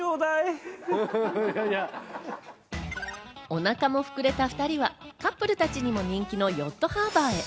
お腹も膨れた２人はカップルたちにも人気のヨットハーバーへ。